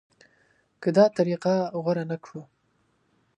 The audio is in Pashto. که دا طریقه غوره نه کړو.